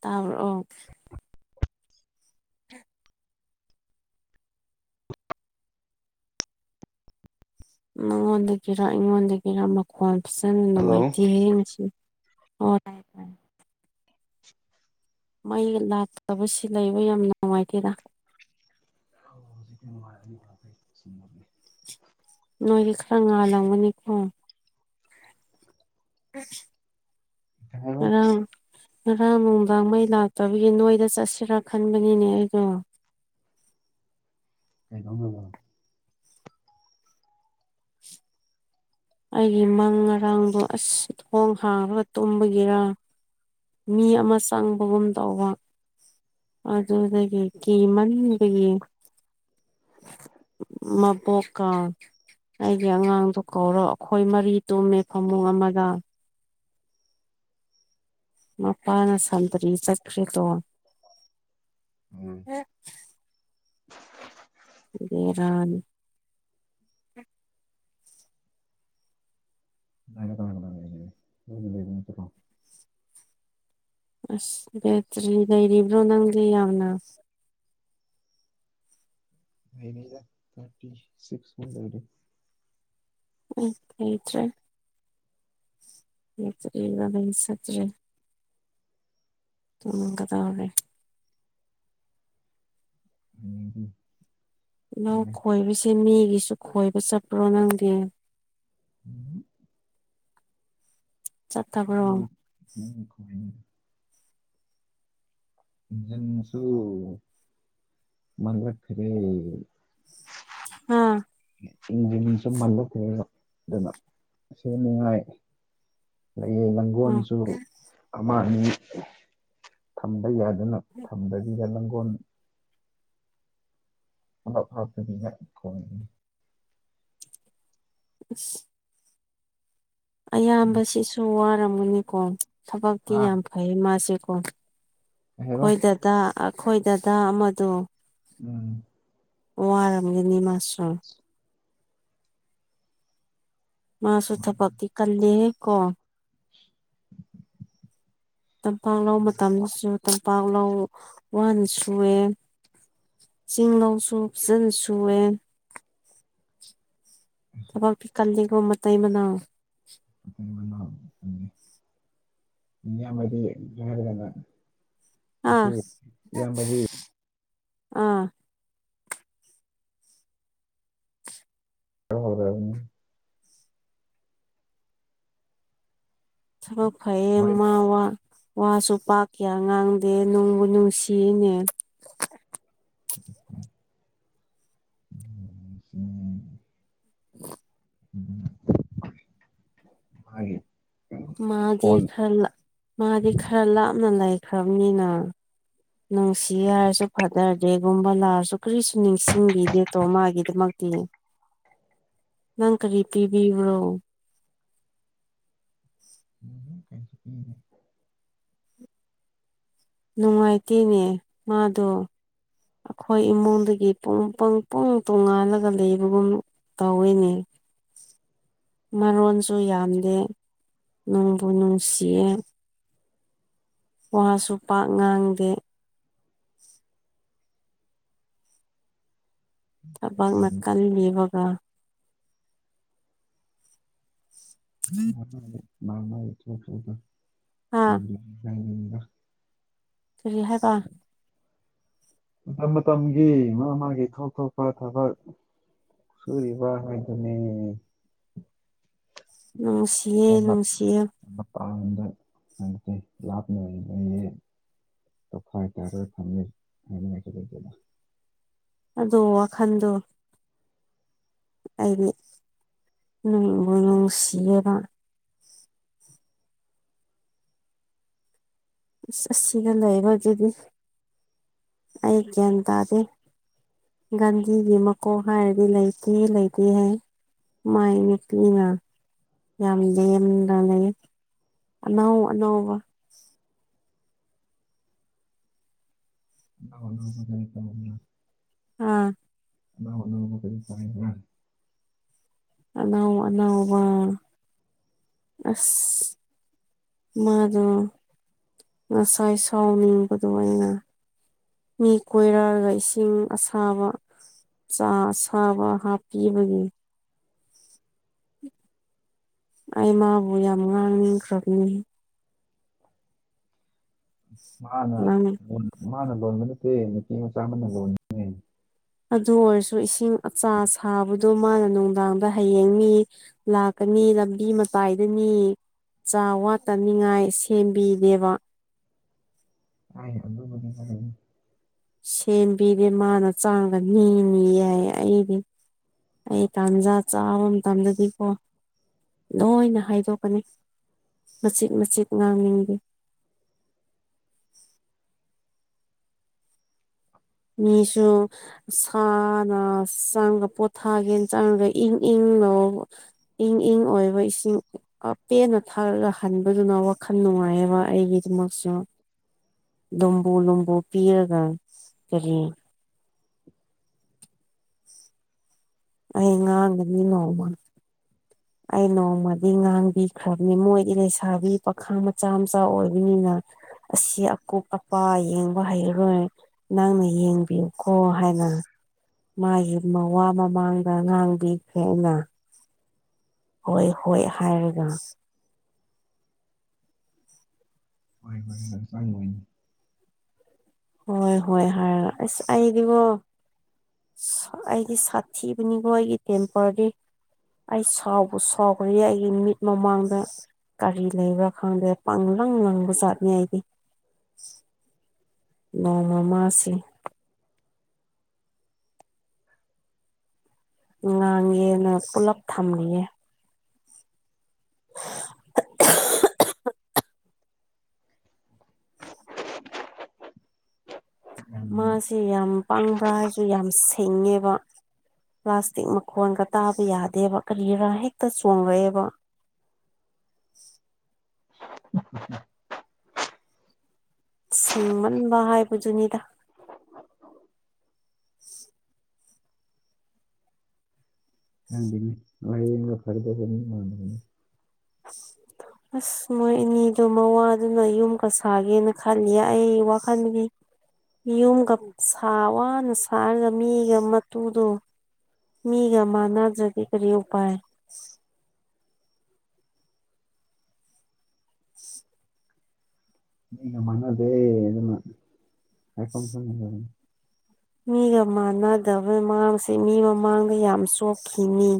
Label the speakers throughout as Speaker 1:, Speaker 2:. Speaker 1: ꯇꯥ ꯕꯔꯑꯣ ꯅꯉꯣꯟꯗꯒꯤꯔ ꯑꯩꯉꯣꯟꯗꯒꯤꯔ ꯃꯈꯣꯟ ꯐꯖꯅ
Speaker 2: ꯍꯜꯂꯣ
Speaker 1: ꯅꯨꯡꯉꯥꯏꯇꯦ ꯌꯦꯁꯤ ꯍ ꯇꯥꯏ ꯃꯩ ꯂꯥꯛꯇꯕꯁꯤ ꯂꯩꯕ ꯌꯥꯝ ꯅꯨꯡꯉꯥꯏꯇꯦꯗ
Speaker 2: ꯍꯧꯖꯤꯛꯇꯤ ꯅꯨꯡꯉꯥꯏꯔꯅꯤꯗ
Speaker 1: ꯅꯣꯏꯗꯤ ꯈꯔ ꯉꯥ ꯜꯂꯝꯒꯅꯤꯀꯣ
Speaker 2: ꯍꯥꯏꯔꯣ
Speaker 1: ꯉꯔꯥꯡ ꯉꯔꯥꯡ ꯅꯨꯡꯗꯥꯡ ꯃꯩ ꯂꯥꯛꯇꯕꯒꯤ ꯅꯣꯏꯗ ꯆꯠꯁꯤꯔꯥ ꯈꯟꯕꯅꯤꯅꯦ ꯑꯩꯗꯣ [inaudible]
Speaker 2: ꯀꯩꯀꯥꯎꯕꯣ [inaudible]
Speaker 1: ꯑꯩꯒꯤ ꯃꯪ ꯉꯔꯥꯡꯗꯣ ꯑꯁ ꯊꯣꯡ ꯍꯥꯡꯉꯒ ꯇꯨꯝꯕꯒꯤꯔꯥ ꯃꯤ ꯑꯃ ꯆꯪꯕꯒꯨꯝ ꯇꯧꯕ ꯑꯗꯨꯗꯒꯤ ꯀꯤꯃꯟꯕꯒꯤ ꯃ ꯄꯣꯛꯀ ꯑꯩꯒꯤ ꯑꯉꯥꯡꯗꯣ ꯀꯧꯔꯣ ꯑꯩꯈꯣꯏ ꯃꯔꯤ ꯇꯨꯝꯃꯦ ꯐꯃꯨꯡ ꯑꯃꯗ ꯑ [inaudible] ꯄꯥꯅ ꯁꯟꯇꯔꯤ ꯆꯈ꯭ꯔꯠꯇꯣ
Speaker 2: ꯎꯝ
Speaker 1: ꯔꯜ [inaudible]
Speaker 2: [inaudible]
Speaker 1: ꯑꯁ ꯕꯦꯇ꯭ꯔꯤ ꯂꯩꯔꯤꯕ꯭ꯔꯣ ꯅꯪꯗꯤ ꯌꯥꯝꯅ ꯑꯁ
Speaker 2: ꯊꯥꯔꯇꯤ ꯁꯤꯁ
Speaker 1: ꯎꯝ ꯍꯈ꯭ꯔꯦ ꯍꯆꯔꯤ ꯏꯗꯁꯠꯔꯤ ꯎꯝ ꯀꯗꯥ ꯑꯣꯏꯔꯦ
Speaker 2: ꯍꯌꯦꯡꯗꯤ
Speaker 1: ꯏꯅꯥꯎ
Speaker 2: ꯂꯥꯛꯑꯦ
Speaker 1: ꯈꯣꯏꯕꯁꯦ ꯃꯤꯒꯤꯁꯨ ꯈꯣꯏꯕ ꯆꯠꯄ꯭ꯔꯣ ꯅꯪꯗꯤ
Speaker 2: ꯎꯝ
Speaker 1: ꯆꯠ ꯊꯈ꯭ꯔꯣ
Speaker 2: ꯎꯝ ꯁꯨ ꯃꯜꯂ ꯐꯔꯦ
Speaker 1: ꯑꯥ
Speaker 2: ꯏꯟꯖ ꯏꯟꯁ ꯃꯜꯂ ꯑꯗꯨꯅ ꯃꯅꯨꯡꯉꯥꯏ ꯂꯩꯌꯦ
Speaker 1: ꯑꯣ
Speaker 2: ꯂꯪꯒꯣꯜꯁꯨ ꯑꯃ ꯑꯅꯤ ꯊꯝꯕ ꯌꯥꯗ ꯑꯗꯨꯅ ꯊꯝꯗꯕꯤꯗ ꯂꯥꯡꯒꯣꯜ ꯑ ꯍꯥꯗꯤꯅ ꯀ [inaudible]
Speaker 1: ꯑꯁ ꯑꯌꯥꯝꯕꯁꯤꯁꯨ ꯋꯥꯔꯝꯒꯅꯤꯀꯣ ꯊꯕꯛꯇꯤ
Speaker 2: ꯍꯥ
Speaker 1: ꯌꯥꯝ ꯐꯩ ꯃꯥꯁꯦꯀꯣ
Speaker 2: ꯀꯩ ꯍꯥꯏꯕ
Speaker 1: ꯑꯩꯈꯣꯏꯗꯗ ꯑꯩꯈꯣꯏꯗꯗ ꯑꯃꯗꯨ
Speaker 2: ꯎꯝ
Speaker 1: ꯑꯣꯔꯝꯒꯤꯅꯤꯃꯁ ꯃꯥꯁꯨ
Speaker 2: ꯀꯩꯅꯣ
Speaker 1: ꯊꯕꯛꯇꯤ ꯀꯟꯗꯦꯍꯦ ꯀꯣ ꯇꯝꯄꯥꯛ ꯂ ꯃꯇꯝꯗꯁꯨ ꯇꯝꯄꯥꯛ ꯂꯧ ꯋꯥꯟ ꯁꯨꯑꯦ ꯆꯁꯤꯡ ꯂꯧꯁꯨ ꯐꯤꯆꯜ ꯁꯨꯑꯦ ꯊꯕꯄꯤ ꯀꯅꯤꯒꯣꯃ ꯇꯥꯏ ꯃꯅꯥꯑꯣ
Speaker 2: ꯃ [inaudible]
Speaker 1: ꯑꯥ
Speaker 2: ꯑꯁꯤ ꯏꯌꯥꯝꯕꯗꯤ
Speaker 1: ꯑꯥ
Speaker 2: ꯀꯩꯅꯣ ꯍ ꯑꯗꯨꯅꯤ
Speaker 1: ꯊꯂꯣ ꯐꯩꯌꯦ
Speaker 2: ꯍꯣꯏ
Speaker 1: ꯃꯥ ꯋꯥꯁꯨ ꯄꯥꯛ ꯀꯌꯥ ꯉꯥꯡꯗꯦ ꯅꯨꯡꯕꯨ ꯅꯨꯡꯁꯤꯅꯦ
Speaker 2: ꯎꯝ
Speaker 1: [inaudible]
Speaker 2: ꯃꯥꯏ
Speaker 1: ꯃꯥꯗꯤ ꯈꯔ ꯃꯥꯗꯤ ꯈꯔ ꯂꯥꯞꯅ ꯂꯩꯈ꯭ꯔꯕꯅꯤꯅ ꯅꯨꯡꯁꯤ ꯍꯥꯏꯔꯁꯨ ꯐꯊꯗꯦꯒꯨꯝꯕ ꯂꯥꯛꯔꯁꯨ ꯀꯔꯤꯁꯨ ꯅꯤꯡꯁꯤꯡꯈꯤꯒꯦꯠꯇꯣ ꯃꯥꯒꯤꯗꯃꯛꯇ ꯅꯪ ꯀꯔꯤ ꯄꯤꯕꯤꯕ꯭ꯔꯣ
Speaker 2: ꯎꯝ ꯀꯩꯁꯨꯀꯥꯏꯗꯦꯗ ꯄꯤꯗꯦ
Speaker 1: ꯅꯨꯡꯉꯥꯏꯇꯦꯅꯦ ꯃꯥꯗꯣ ꯑꯩꯈꯣꯏ ꯏꯃꯨꯡꯗꯒꯤ ꯄꯨꯡ ꯄꯪ ꯇꯣꯡꯉꯥꯜꯂꯒ ꯂꯩꯕꯒꯨꯝ ꯇꯧꯋꯤꯅꯦ [unintelligible] ꯃꯔꯣꯟꯁꯨ ꯌꯥꯝꯗꯦ ꯅꯨꯡꯕꯨ ꯅꯨꯡꯁꯤꯌꯦ ꯋꯥꯁꯨ ꯄꯥꯛ ꯉꯥꯡꯗꯦ ꯊꯕꯛꯅ ꯀꯟꯂꯤꯕꯒ ꯍꯥ
Speaker 2: [unintelligible]
Speaker 1: ꯀꯔꯤ ꯍꯥꯏꯕꯥ
Speaker 2: ꯃꯇꯝ ꯃꯇꯝꯒꯤ ꯃꯥ ꯃꯥꯒꯤ ꯊꯣꯛ ꯊꯣꯛꯄ ꯊꯕꯛ ꯁꯔꯤ ꯍꯥꯏꯗꯨꯅ‌ꯦ
Speaker 1: ꯅꯨꯡꯁꯤꯌꯦ ꯅꯨꯡꯁꯤꯌꯦ
Speaker 2: ꯄꯥꯗ ꯍꯥꯏꯠꯇꯗꯤ ꯂꯥꯞꯅ ꯌꯦ ꯇꯣꯈ‌ꯏ ꯇꯔ‌ꯦ ꯐꯪꯉ‌ꯦ
Speaker 1: ꯑꯗꯣ ꯋꯥꯈꯜꯗꯣ ꯑꯩꯒꯤ ꯅꯣꯡꯕꯨ ꯅꯨꯡꯁꯤꯌꯦꯕ ꯑꯁ ꯑꯁꯤꯗ ꯂꯩꯕꯒꯤꯗꯤ ꯑꯩ ꯒ꯭ꯌꯥꯟ ꯇꯥꯗꯦ ꯒꯥꯟꯙꯤꯒꯤ ꯃꯀꯣꯛ ꯍꯥꯏꯔꯗꯤ ꯂꯩꯇꯦ ꯂꯩꯇꯦ ꯍꯥꯏ ꯃꯥꯥꯏ ꯅꯨꯄꯤꯅ ꯌꯥꯝꯗꯦ ꯌꯥꯝꯅ ꯂꯩ ꯑꯅꯧ ꯑꯅꯧꯕ
Speaker 2: ꯂꯕꯨꯖꯥꯏ ꯇꯅ [unintelligible]
Speaker 1: ꯑꯥ
Speaker 2: ꯐ [unintelligible]
Speaker 1: ꯑꯅꯧ ꯑꯅꯧꯕ ꯑꯁ ꯃꯥꯗꫭ ꯉꯁꯥꯏ ꯁꯥꯎꯅꯤꯡꯕꯗꫭ ꯑꯩꯅ ꯃꯤ ꯀꯣꯏꯔꯛꯑꯒ ꯏꯁꯤꯡ ꯑꯁꯥꯕ ꯆꯥ ꯁꯥꯕ ꯍꯥꯞꯄꯤꯕꯒꯤ ꯑꯩ ꯃꯥꯕꯨ ꯌꯥꯝ ꯉꯥꯡꯈ꯭ꯔꯕꯅꯤ
Speaker 2: ꯃꯥꯅ
Speaker 1: ꯅꯪ
Speaker 2: ꯂꫭꯅ ꯃꯥꯅ ꯂꯣꯟꯕ ꯅꯠꯇꯦ ꯅꯨꯄꯤ ꯃꯆꯥ ꯑꯃꯅ ꯂꯣꯟꯅꯦ
Speaker 1: ꯑꯗꯨ ꯑꯣꯏꯔꯁꯨ ꯏꯁꯤꯡ ꯑꯆꯥ ꯁꯥꯕꯗꯣ ꯃꯥꯅ ꯅꯨꯡꯗꯥꯡꯗ ꯍꯌꯦꯡꯅꯤ ꯂꯥꯛꯀ ꯃꯤ ꯂꯝꯕꯤ ꯃꯇꯥꯏꯗꯅꯤ ꯆꯥ ꯋꯥꯠꯇꯅꯤꯡꯉꯥꯏ ꯁꯦꯝꯕꯤꯗꯦꯕ
Speaker 2: ꯑ ꯌꯥꯔ [unintelligible]
Speaker 1: ꯁꯦꯝꯕꯤꯔꯦ ꯃꯥꯅ ꯆꯥꯡꯒꯅꯤ ꯅꯤ ꯌꯥꯏ ꯑꯩꯗꯤ ꯑꯩ ꯇꯥꯟꯖꯥ ꯆꯥꯕ ꯃꯇꯝꯗꯗꯤꯀꯣ ꯂꯣꯏꯅ ꯍꯥꯏꯗꯣꯛꯀꯅꯤ ꯃꯆꯤꯠ ꯃꯆꯤꯠ ꯉꯥꯡꯅꯤꯡꯗ‌ꯦ [inaudible] ꯃꯤꯁꯨ ꯁꯥꯅ ꯆꯪꯒ ꯄꯣꯊꯥꯒꯦꯅ ꯆꯪꯉꯒ ꯏꯪ ꯏꯪ ꯏꯪ ꯏꯪ ꯑꯣꯏꯕ ꯏꯁꯤꯡ ꯄꯦꯟꯅ ꯊꯥꯔꯒ ꯍꯟꯕꯗꯨꯅ ꯋꯥꯈꯜ ꯅꯨꯡꯉꯥꯏꯑꯕ ꯑꯩꯒꯤꯗꯨꯃꯛꯁꯨ ꯂꯨꯨꯝꯕꯨ ꯂꯨꯝꯕꯨ ꯄꯤꯔꯒ ꯀꯔꯤ ꯑꯩ ꯉꯥꯡꯒꯅꯤ ꯅꫭꯡꯃ ꯑꯩ ꯅꯣꯡꯃꯗꯤ ꯉꯥꯡꯕꯤꯈ꯭ꯔꯕꯅꯤ ꯃꯣꯏꯗꯤ ꯂꯩꯁꯥꯕꯤ ꯄꯥꯈꯥ ꯃꯆꯥ ꯃꯆꯥ ꯑꯣꯏꯕꯅꯤꯅ ꯑꯁꯤ ꯑꯀꯣꯛ ꯑꯄꯥ ꯌꯦꯡꯕ ꯍꯩꯔꯔꯣꯏ ꯅꯪꯅ ꯌꯦꯡꯕꯤꯌꯨꯀꯣ ꯍꯥꯏꯅ ꯃꯥꯒꯤ ꯃꯋꯥ ꯃꯃꯥꯡꯗ ꯉꯥꯡꯕꯤꯈ꯭ꯔꯦꯅ ꯍꯣꯏ ꯍꯣꯏ ꯍꯥꯏꯔꯒ
Speaker 2: ꯍꯣꯏ ꯒ ꯆꯥꯡꯉꫭꯏꯗ
Speaker 1: ꯍꯣꯏ ꯍꯣꯏ ꯍꯥꯏꯔꯒ ꯑꯁ ꯑꯩꯗꯤꯒꫭ ꯑꯩꯗꯤ ꯁꯥꯊꯤꯕꯅꯤꯀꯣ ꯑꯩꯒꯤ ꯇꯦꯝꯄꯣꯔꯗꯤ ꯑꯩ ꯁꯥꯎꯕ ꯁꯥꯎꯈ꯭ꯔꯦ ꯑꯩꯒꯤ ꯃꯤꯠ ꯃꯃꯥꯡꯗ ꯀꯔꯤ ꯂꯩꯕ꯭ꯔꯥ ꯈꯪꯗ꯭ꯔꯦ ꯄꯪ ꯂꯪ ꯂꯪꯕ ꯆꯥꯠꯅꯤ ꯑꯩꯗꯤ ꯅꫭꯡꯃꯃꯁꯤ ꯉꯥꯡꯉꯦꯅ ꯄꯨꯂꯞ ꯊꯝꯂꯤꯌꯦ
Speaker 2: ꯌꯥꯝ
Speaker 1: ꯃꯥꯁꯦ ꯌꯥꯝ ꯄꯪꯕ꯭ꯔꯥ ꯍꯥꯏꯁꯨ ꯌꯥꯝ ꯁꯦꯡꯉꯦꯕ ꯄ꯭ꯂꯥꯁꯇꯤꯛ ꯃꯈꯣꯟꯒ ꯇꯥꯕ ꯌꯥꯗꯦꯕ ꯀꯔꯤꯔꯥ ꯍꯦꯛꯇ ꯆꯣꯡꯉꯛꯑꯦꯕ [inaudible]
Speaker 2: ꯎ
Speaker 1: ꯦꯡꯃꯟꯕ ꯍꯥꯏꯕꯗꯨꯅꯤꯗ
Speaker 2: ꯀ ꯐꯔꯗ ꯐ
Speaker 1: [inaudible] ꯑꯁ ꯃꯣꯏ ꯏꯅꯦꯗꯣ ꯃꯋꯥꯗꯨꯅ ꯌꯨꯝꯒ ꯁꯥꯒꯦꯅ ꯈꯜꯂꯤ ꯑꯩ ꯋꯥꯈꯜꯒꯤ ꯌꯨꯝꯒ ꯋꯥꯅ ꯁꯥꯔꯒ ꯃꯤꯒ ꯃꯇꯨꯗꯣ ꯃꯤꯒꯃꯅꯥꯒꯗꯤ ꯀꯔꯤ ꯎꯄꯥꯥꯏ [inaudible]
Speaker 2: ꯃꯤꯒ ꯃꯅꯗꯦ ꯑꯗꯨꯅ ꯍꯥꯏꯐꯝ ꯈꯪꯗꯦ
Speaker 1: ꯃꯤꯒ ꯃꯥꯟꯅꯗꯕꯩ ꯃꯥꯡꯁꯦ ꯃꯤ ꯃꯃꯥꯡꯗ ꯌꯥꯝ ꯆꯣꯛꯈꯤꯅꯤ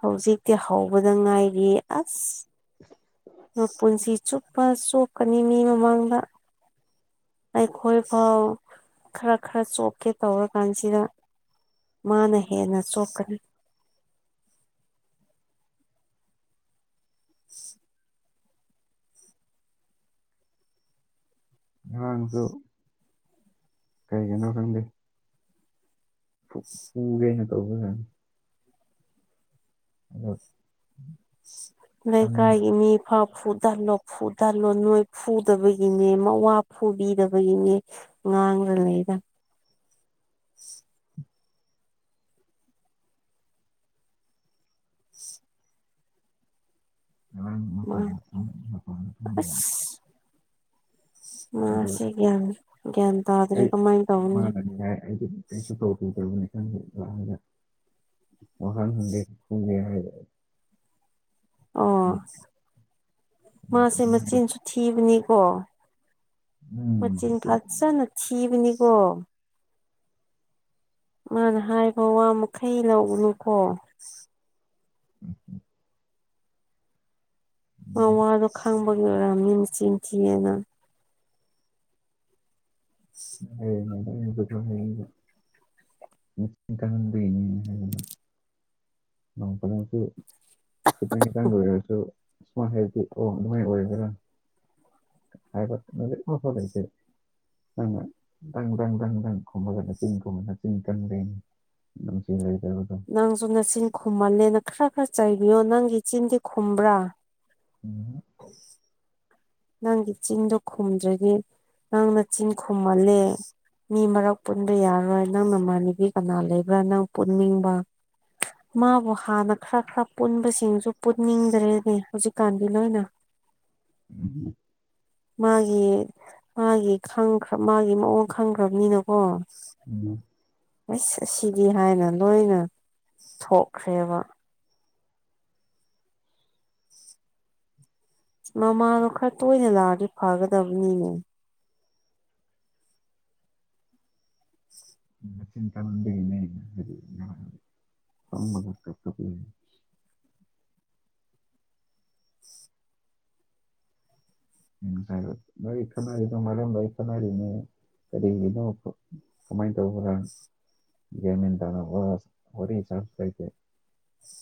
Speaker 1: ꯍꯧꯖꯤꯛꯇꯤ ꯍꯧꯕꯗ ꯉꯥꯏꯔꯤ ꯑꯁ ꯄꯨꯟꯁꯤ ꯆꯨꯞꯄ ꯆꯣꯛꯀꯅꯤ ꯃꯤ ꯃꯃꯥꯡꯗ ꯑꯩꯈꯣꯏ ꯐꯥꯎ ꯈꯔ ꯈꯔ ꯆꯣꯛꯀꯦ ꯇꯧꯔꯀꯥꯟꯁꯤꯗ ꯃꯥꯅ ꯍꯦꯅ ꯆꯣꯀꯅꯤ [inaudible]
Speaker 2: ꯉꯔꯥꯡꯗꯨ ꯀꯩꯒꯤꯅꯣ ꯈꯪꯗꯦ ꯄꯨꯒꯦꯅ ꯇꯧꯕꯖꯅꯤ ꯑꯥ
Speaker 1: ꯂꯩ ꯀꯥꯏꯒꯤ ꯃꯤ ꯐꯥꯎ ꯐꯨ ꯇꯜꯂꯣ ꯐꯨ ꯇꯜꯂꯣꯏ ꯅꯣꯏ ꯐꯨꯗꯕꯒꯤꯅꯦ ꯃꯋꯥ ꯐꯨꯕꯤꯗꯕꯒꯤꯅꯦ ꯉꯥꯡ ꯉꯥꯡꯉ ꯂꯩꯗ [inaudible]
Speaker 2: ꯉꯥꯔꯥꯡ
Speaker 1: ꯃꯥ
Speaker 2: ꯃꯄꯥꯟ ꯃꯄꯥꯟ ꯐꯝ ꯂꯩ
Speaker 1: [inaudible] ꯃꯥꯁ ꯒ꯭ꯌꯥꯟ ꯒ꯭ꯌꯥꯟ ꯇꯥꯗ꯭ꯔꯔꯤ
Speaker 2: ꯑꯩ
Speaker 1: ꯀꯃꯥꯏꯅ ꯇꯧꯅꯤ
Speaker 2: ꯃꯥꯅꯗꯤ ꯅꯪ ꯋꯥꯍꯪ ꯍꯪꯒꯦ ꯈꯨꯝꯒꯦ ꯍꯥꯏꯔꯦ
Speaker 1: ꯑꯣ
Speaker 2: ꯑꯩꯈꯣꯏ ꯎꯝ
Speaker 1: ꯃꯥꯁꯦ ꯃꯆꯤꯟꯁꯨ ꯊꯤꯕꯅꯤꯀꯣ ꯃꯆꯤꯟ ꯐꯖꯅ ꯊꯤꯕꯅꯤꯀꯣ ꯃꯥꯅ ꯍꯥꯏꯈ ꯋꯥ ꯃꯈꯩ ꯂꯧꯒꯅꯨꯀꯣ
Speaker 2: ꯎꯝ ꯎꯝ
Speaker 1: ꯃꯥ ꯋꯥꯗꯣ ꯈꯪꯕꯒꯤ ꯑꯣꯏꯔꯝꯒꯅꯤ ꯃꯗꯣ ꯆꯤꯟ ꯊꯤꯌꯦꯅ
Speaker 2: [unintelligible] [unintelligible] ꯃꯆꯤꯟ ꯀꯟꯕꯒꯤꯅꯦ ꯥꯏꯕ ꯐꯪꯉꯁꯤ ꯈꯤꯇꯥꯡ ꯈꯤꯇꯪꯡ ꯑꯣꯔꯁꯨ ꯁꯨꯃꯥꯏꯅ ꯍꯥꯏꯗꯤ ꯑꯣ ꯑꯗꯨꯃꯥꯏꯅ ꯑꯣꯏꯒꯦꯔꯥ ꯑꯃꯐꯧ ꯂꯩꯇꯦ ꯑꯪꯅ ꯗꯪ ꯗꯪ ꯗꯪ ꯈꯨꯝꯃꯒ ꯅꯆꯤꯟ ꯈꯨꯝꯃꯒ ꯅꯆꯤꯟ ꯀꯟꯕꯒꯤꯅꯤ ꯅꯨꯡꯁꯤ ꯂꯩ
Speaker 1: ꯅꯪꯁꯨ ꯅꯆꯤꯟ ꯈꯨꯝꯃꯜꯂꯦꯅ ꯈꯔ ꯈꯔ ꯆꯥꯏꯕꯤꯌꯣ ꯅꯪꯒꯤ ꯏꯆꯤꯟꯗꯤ ꯈꯨꯝꯕ꯭ꯔꯥ ꯎ ꯅꯪꯒꯤ ꯆꯤꯟꯗꯣ ꯈꯨꯝꯗ꯭ꯔꯗꯤ ꯅꯪꯅ ꯆꯤꯟ ꯈꯨꯝꯃꯜꯂꯦ ꯃꯤ ꯃꯔꯛ ꯄꯨꯟꯕ ꯌꯥꯔꯣꯏ ꯅꯪ ꯅꯃꯥꯟꯅꯕꯤ ꯀꯅꯥ ꯂꯩꯕ꯭ꯔꯥ ꯅꯪ ꯄꯨꯟꯅꯤꯡꯕ ꯃꯥꯕꯨ ꯍꯥꯟꯅ ꯈꯔ ꯈꯔ ꯄꯨꯟꯕꯁꯤꯡꯁꯨ ꯄꯨꯟꯅꯤꯡꯗ꯭ꯔꯦꯅꯦ ꯍꯧꯖꯤꯛꯀꯥꯟꯗꯤ ꯂꯣꯏꯅ [inaudible]
Speaker 2: ꯎꯝ
Speaker 1: ꯃꯥꯒꯤ ꯃꯥꯒꯤ ꯃꯥꯒꯤ ꯃꯑꯣꯡ ꯈꯪꯈ꯭ꯔꯕꯅꯤꯅꯀꯣ ꯑꯁ ꯑꯁꯤꯗꯤ ꯍꯥꯏꯅ ꯂꯣꯏꯅ ꯊꯣꯛꯈ꯭ꯔꯦꯕ [inaudible] ꯃꯃꯥꯅꯣ ꯈꯔ ꯇꯣꯏꯅ ꯂꯥꯛꯑꯗꯤ ꯐꯒꯗꯕꯅꯤꯅꯦ [unintelligible]
Speaker 2: ꯃꯆꯤꯟ ꯀꯟꯕꯒꯤꯅꯦ [unintelligible]
Speaker 1: [unintelligible]
Speaker 2: [unintelligible] ꯃꯔꯝ ꯂꯣꯏ ꯈꯟꯅꯔꯤꯅꯦ ꯀꯔꯤꯒꯤꯅꯣ ꯀꯃꯥꯏ ꯇꯧꯕ꯭ꯔ ꯒ꯭ꯌꯥꯟ ꯃꯦꯟ ꯇꯥꯟꯅꯕ ꯋꯥꯔꯤ [unintelligible]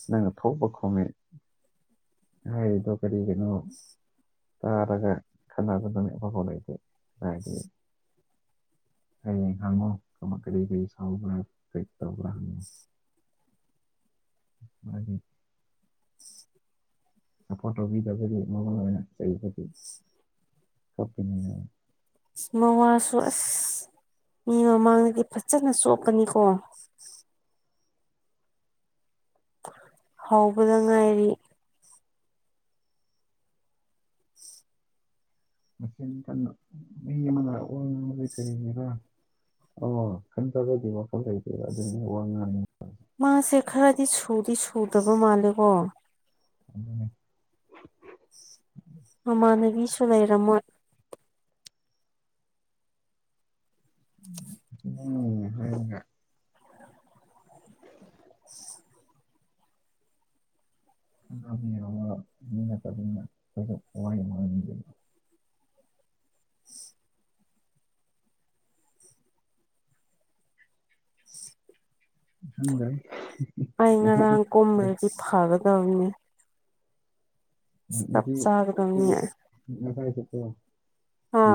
Speaker 2: ꯅꯪꯅ ꯊꯧꯕ ꯈꯣꯝꯃꯦ ꯍꯥꯏꯗꯣ ꯀꯔꯤ ꯒꯤꯅꯣ ꯇꯥ ꯈꯔꯥ ꯈꯟꯅꯥ [unintelligible] ꯂꯩꯗꯦ [unintelligible] ꯍꯌꯦꯡ ꯍꯪꯉꯨ ꯀꯃꯥꯏ ꯀꯔꯤ ꯀꯔꯤ ꯁꯥꯎꯕ꯭ꯔꯥ ꯀꯔꯤ ꯇꯧꯕ꯭ꯔꯥ ꯍꯪꯉꯨ ꯃꯥꯒꯤ ꯁꯄꯣꯔꯠ ꯇꯧꯕꯤꯗꯕꯒꯤ ꯃꯃꯜ ꯑꯣꯏꯅ ꯆꯩꯕꯒꯤ ꯀꯞꯄꯤꯅꯤꯅ
Speaker 1: ꯃꯝꯃꯥꯁꯨ ꯑꯁ ꯃꯤ ꯃꯃꯥꯡꯗꯗꯤ ꯐꯖꯅ ꯆꯣꯞꯄꯅꯤꯀꯣ ꯍꯧꯕꯗ ꯉꯥꯏꯔꯤ
Speaker 2: ꯃꯁꯤꯟ ꯀꯟꯕ ꯃꯤ ꯑꯃꯗ [unintelligible] ꯑꯣ ꯈꯟ ꯇꯒꯗꯤ ꯋꯥꯈ ꯂꯩꯇꯦꯕ ꯑꯗꯨ ꯋꯥ ꯉꯥꯡꯅꯤ
Speaker 1: ꯃꯥꯁꯦ ꯈꯔꯗꯤ ꯁꯨꯗꯤ ꯁꯨꯗꯕ ꯃꯥꯜꯂꯦꯀꯣ
Speaker 2: ꯑꯗꯨ
Speaker 1: ꯃꯃꯥꯟꯅꯕꯤꯁꯨ ꯂꯩꯔꯝꯃꯣꯏ
Speaker 2: ꯎꯝ [unintelligible]
Speaker 1: [unintelligible]
Speaker 2: [unintelligible] [unintelligible]
Speaker 1: ꯑꯩ
Speaker 2: ꯉꯁꯤ
Speaker 1: ꯉꯔꯥꯡ ꯀꯨꯝꯔꯗꯤ ꯐꯒꯗꯕꯅꯤ ꯆꯞ ꯆꯥꯒꯗꯕꯅꯤ
Speaker 2: [unintelligible]
Speaker 1: ꯍꯥ